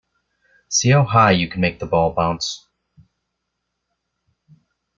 See how high you can make the ball bounce